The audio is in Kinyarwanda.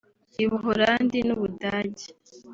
u Buholandi n’u Budage